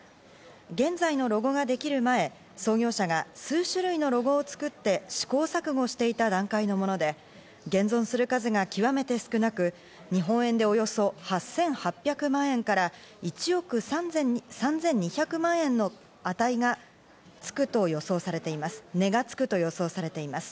現在のロゴができる前、創業者が数種類のロゴを作って試行錯誤していた段階のもので、現存する数が極めて少なく、日本円でおよそ８８００万円から１億３２００万円の値がつくと予想されています。